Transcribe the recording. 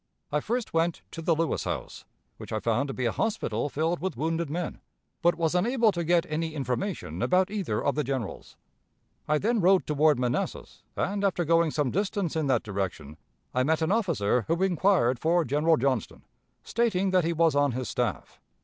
I first went to the Lewis house, which I found to be a hospital filled with wounded men; but was unable to get any information about either of the generals. I then rode toward Manassas, and, after going some distance in that direction, I met an officer who inquired for General Johnston, stating that he was on his staff.